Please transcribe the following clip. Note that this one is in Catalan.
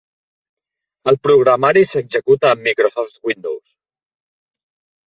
El programari s'executa a Microsoft Windows.